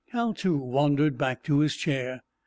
Hal, too, wandered back to his chair.